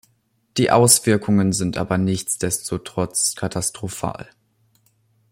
Die Auswirkungen sind aber nichtsdestotrotz katastrophal.